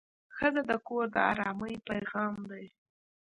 ښځه د کور د ارامۍ پېغام ده.